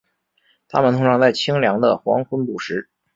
它们通常在清凉的黄昏捕食。